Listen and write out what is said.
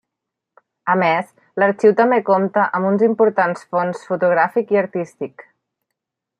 A més, l'arxiu també compta amb uns importants fons fotogràfic i artístic.